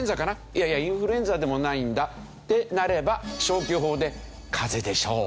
いやいやインフルエンザでもないんだってなれば消去法で風邪でしょう。